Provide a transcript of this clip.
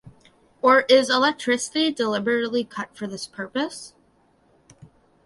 Or is electricity deliberately cut for this purpose?